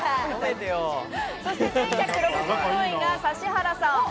指原さん。